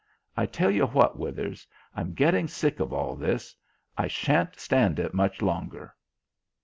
I tell you what, Withers, I'm getting sick of all this. I shan't stand it much longer."